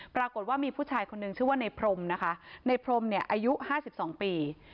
ปรากฏว่ามีผู้ชายคนนึงชื่อว่านายพรมนายพรมอายุ๕๒ปี